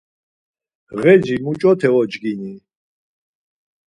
Ğeci muç̌ote ocgini?